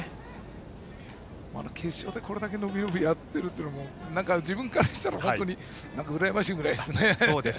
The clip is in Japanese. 決勝でこれだけ伸び伸びやっているのも自分からしたらうらやましいぐらいですね。